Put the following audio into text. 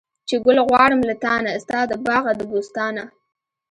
چې ګل غواړم له تانه، ستا د باغه د بوستانه